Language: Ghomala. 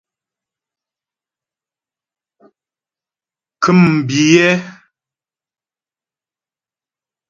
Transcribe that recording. Ŋkə̂mbiyɛ́.